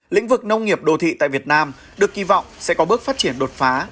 lĩnh vực nông nghiệp đô thị tại việt nam được kỳ vọng sẽ có bước phát triển đột phá